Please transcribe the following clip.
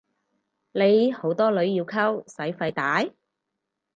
你好多女要溝使費大？